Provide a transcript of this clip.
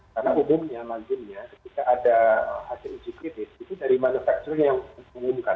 karena umumnya manjimnya kita ada hasil uji kritis itu dari manufaktur yang mengumumkan